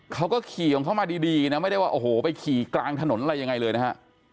เขาก็ขี่ของเขามาดีนะไม่ได้ว่าโอ้โหไปขี่กลางถนนอะไรยังไงเลยนะฮะ